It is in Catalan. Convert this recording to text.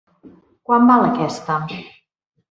Quant val aquesta.?